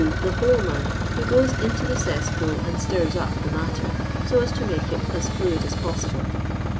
The holeman, who goes into the eesspool and stirs up the matter, so as to make it as fluid as possible.